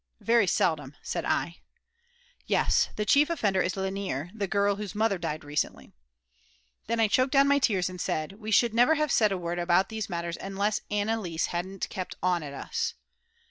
"Very seldom," said I; "Yes, the chief offender is Lainer, the girl whose mother died recently." Then I choked down my tears, and said: "We should never have said a word about these matters unless Anneliese had kept on at us."